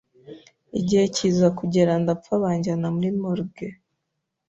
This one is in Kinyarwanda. igihe kiza kugera ndapfa banjyana muri morgue